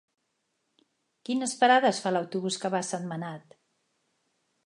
Quines parades fa l'autobús que va a Sentmenat?